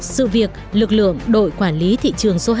sự việc lực lượng đội quản lý thị trường số hai mươi bốn